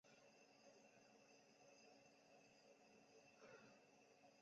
引起哈莱姆文艺复兴的一个重要原因就是美国废除了奴隶制。